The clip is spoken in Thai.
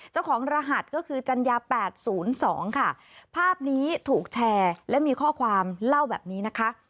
เจ้าของรหัสก็คือจัญญา๘๐๒ค่ะภาพนี้ถูกแชร์และมีข้อความเล่าแบบนี้นะคะ